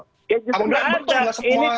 ya justru tidak ada ini kepentingan semua orang